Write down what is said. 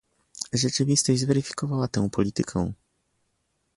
Rzeczywistość zweryfikowała tę politykę